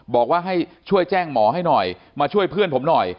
บอกว่าให้ช่วยแจ้งหมอให้หน่อยมาช่วยเพื่อนผมหน่อย